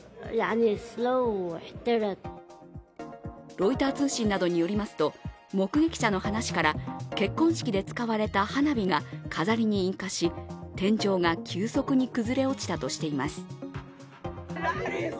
ロイター通信などによりますと、目撃者の話から結婚式で使われた花火が飾りに引火し、天井が急速に崩れ落ちたとしています。